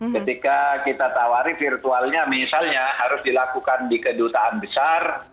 ketika kita tawari virtualnya misalnya harus dilakukan di kedutaan besar